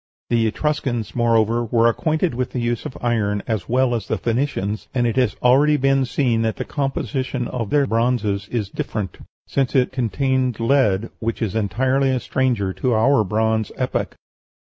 The Etruscans, moreover, were acquainted with the use of iron as well as the Phoenicians, and it has already been seen that the composition of their bronzes is different, since it contains lead, which is entirely a stranger to our bronze epoch....